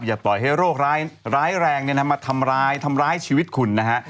อย่าปล่อยให้โรคร้ายแรงทำมาทำร้ายชีวิตคุณนะฮะ